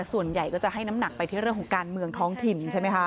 ส่วนใหญ่ก็จะให้น้ำหนักไปที่เรื่องของการเมืองท้องถิ่นใช่ไหมคะ